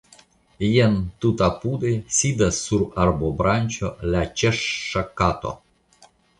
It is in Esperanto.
Jen, tutapude, sidas sur arbobranĉo la Ĉeŝŝa kato.